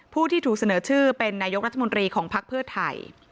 ผู้ที่ถูกเสนอชื่อเป็นนายกรัฐมนตรีของภักดิ์เพื่อไทย